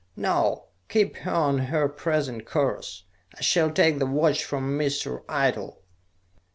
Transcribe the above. "No. Keep her on her present course. I shall take the watch from Mr. Eitel."